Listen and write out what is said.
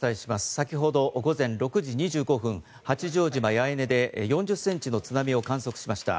先ほど午前６時２５分八丈島八重根で４０センチの津波を観測しました。